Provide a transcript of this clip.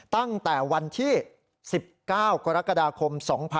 ตั้งแต่วันที่๑๙กรกฎาคม๒๕๖๒